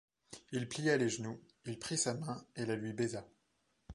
Il plia les genoux, il prit sa main et la lui baisa